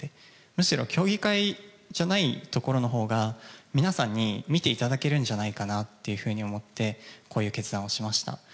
むしろ、競技会じゃないところのほうが、皆さんに見ていただけるんじゃないかなっていうふうに思って、こういう決断をしました。